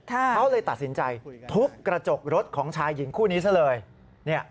เขาเลยตัดสินใจทุบกระจกรถของชายหญิงคู่นี้ซะเลย